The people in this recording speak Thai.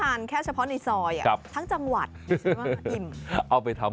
อันนี้๑๕๐กิโลกรัม